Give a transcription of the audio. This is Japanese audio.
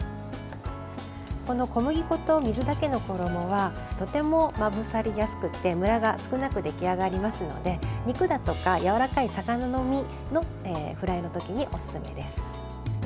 この小麦粉と水だけの衣はとてもまぶさりやすくてムラが少なく出来上がりますので肉だとか、やわらかい魚の身のフライのときにおすすめです。